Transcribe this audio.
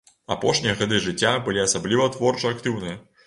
Апошнія гады жыцця былі асабліва творча актыўныя.